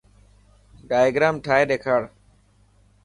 ڊائگرام ٺاهي ڏيکار.